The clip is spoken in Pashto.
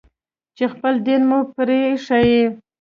چې خپل دين مو پرې ايښى.